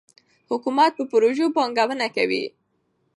حکومت په پروژو پانګونه کوي.